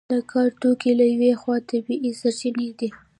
د کار توکي له یوې خوا طبیعي سرچینې دي.